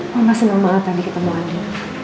mama senang banget tadi ketemu andi